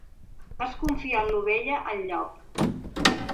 Has confiat l'ovella al llop.